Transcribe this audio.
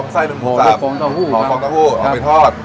อ๋อไส้ของหมูสับอ๋อเป็นฟองเต้าหู้ครับอ๋อฟองเต้าหู้อ๋อไปทอด